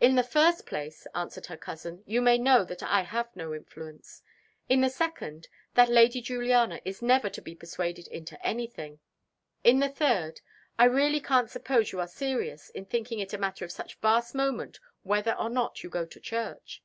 "In the first place," answered her cousin, "you may know that I have no influence; in the second, that Lady Juliana is never to be persuaded into any thing; in the third, I really can't suppose you are serious in thinking it a matter of such vast moment whether or not you go to church."